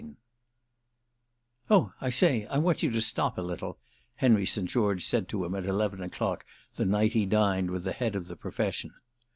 74V "Oh I say, I want you to stop a little," Henry St. George said to him at eleven o'clock the night he dined with the head of the profession.